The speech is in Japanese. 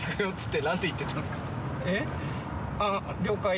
えっ？